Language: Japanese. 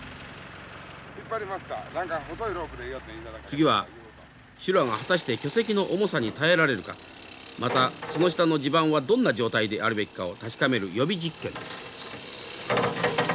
次は修羅が果たして巨石の重さに耐えられるかまたその下の地盤はどんな状態であるべきかを確かめる予備実験です。